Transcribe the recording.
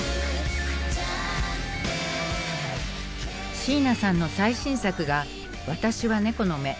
椎名さんの最新作が「私は猫の目」。